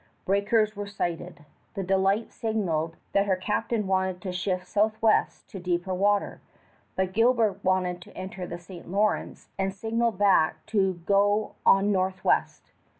Breakers were sighted. The Delight signaled that her captain wanted to shift southwest to deeper water, but Gilbert wanted to enter the St. Lawrence and signaled back to go on northwest.